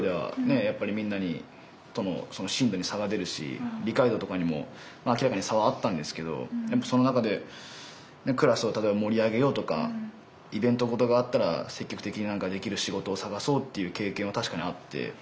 やっぱりみんなに進路に差が出るし理解度とかにも明らかに差はあったんですけどその中でクラスを例えば盛り上げようとかイベント事があったら積極的に何かできる仕事を探そうっていう経験は確かにあって。